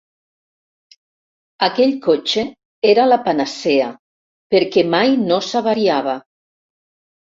Aquell cotxe era la panacea perquè mai no s'avariava.